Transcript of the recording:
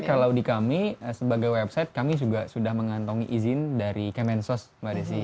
kalau di kami sebagai website kami juga sudah mengantongi izin dari kemensos mbak desi